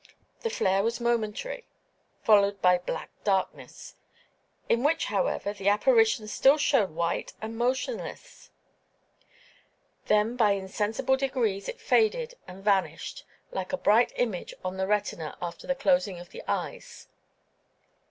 The flare was momentary, followed by black darkness, in which, however, the apparition still showed white and motionless; then by insensible degrees it faded and vanished, like a bright image on the retina after the closing of the eyes.